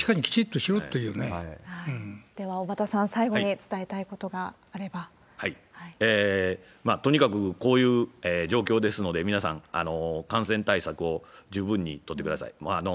どっちかにきでは、小畠さん、最後に伝えとにかくこういう状況ですので、皆さん、感染対策を十分に取ってください。